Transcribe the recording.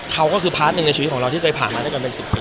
เขาก็คือพาร์ทหนึ่งในชีวิตของเราที่เคยผ่านมาด้วยกันเป็น๑๐ปี